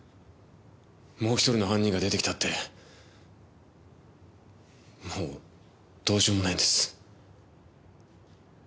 もう一人の犯人が出てきたってもうどうしようもないんです。